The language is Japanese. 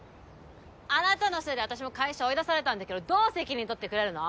あなたのせいで私も会社追い出されたんだけどどう責任取ってくれるの？